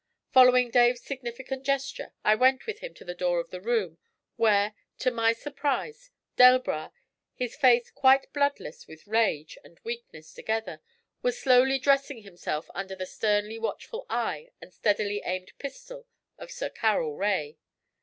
Following Dave's significant gesture, I went with him to the door of the room, where, to my surprise, Delbras, his face quite bloodless with rage and weakness together, was slowly dressing himself under the sternly watchful eye and steadily aimed pistol of Sir Carroll Rae.